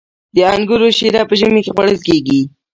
د انګورو شیره په ژمي کې خوړل کیږي.